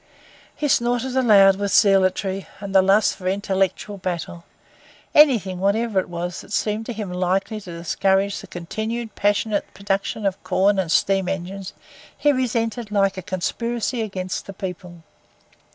He snorted aloud with zealotry and the lust for intellectual battle. Anything, whatever it was, that seemed to him likely to discourage the continued passionate production of corn and steam engines he resented like a conspiracy against the people.